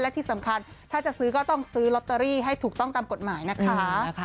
และที่สำคัญถ้าจะซื้อก็ต้องซื้อลอตเตอรี่ให้ถูกต้องตามกฎหมายนะคะ